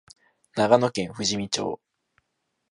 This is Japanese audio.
長野県富士見町